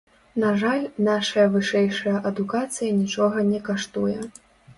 На жаль, нашая вышэйшая адукацыя нічога не каштуе.